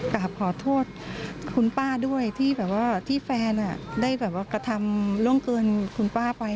กลับขอโทษคุณป้าด้วยที่แฟนกระทำร่วงเกินคุณป้าไป